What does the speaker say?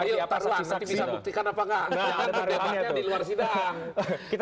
ayo taruh lah nanti bisa buktikan apa enggak